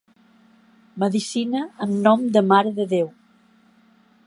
Medicina amb nom de marededéu.